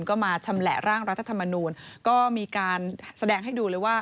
ก็มาชำแหละร่างรัฐธรรมนูลก็มีการแสดงให้ดูเลยว่า